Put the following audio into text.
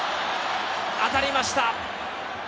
当たりました。